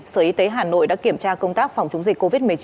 sở y tế hà nội đã kiểm tra công tác phòng chống dịch covid một mươi chín